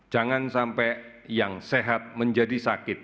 jangan sampai yang sehat menjadi sakit